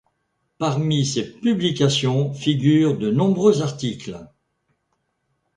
Parmi ses publications figurent de nombreux articles.